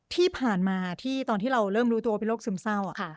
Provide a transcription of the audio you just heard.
ที่ผ่านมาที่ตอนที่เราเริ่มรู้ตัวว่าเป็นโรคซึมเศร้า